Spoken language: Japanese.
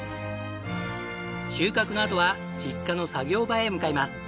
収穫のあとは実家の作業場へ向かいます。